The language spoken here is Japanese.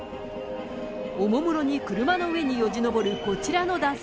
おもむろに車の上によじ登るこちらの男性。